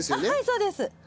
はいそうです。